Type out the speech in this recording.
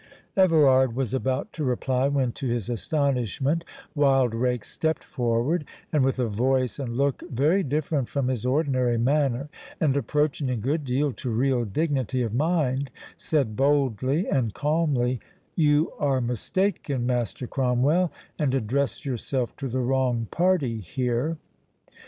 Everard was about to reply, when, to his astonishment, Wildrake stepped forward; and with a voice and look very different from his ordinary manner, and approaching a good deal to real dignity of mind, said, boldly and calmly, "You are mistaken, Master Cromwell; and address yourself to the wrong party here."